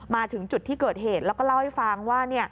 มาถึงจุดที่เกิดเหตุแล้วก็เล่าให้ฟังว่า